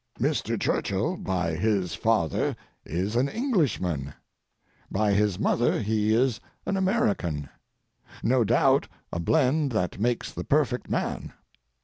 Mr. Churchill, by his father, is an Englishman; by his mother he is an American—no doubt a blend that makes the perfect man.